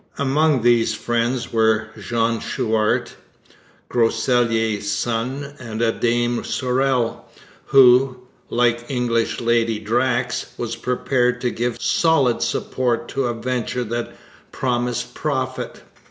Among these friends were Jean Chouart, Groseilliers' son, and a Dame Sorrel, who, like the English Lady Drax, was prepared to give solid support to a venture that promised profit.